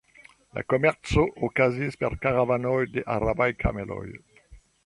La komerco okazis per karavanoj de arabaj kameloj.